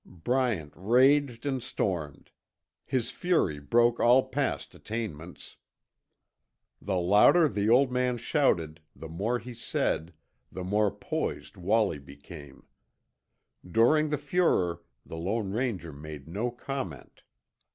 Bryant raged and stormed. His fury broke all past attainments. The louder the old man shouted, the more he said, the more poised Wallie became. During the furor the Lone Ranger made no comment.